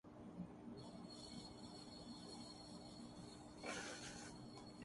پینٹا gone نے بھی واقعہ کی تصدیق کی ہے